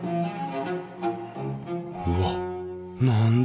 うわっ何だ？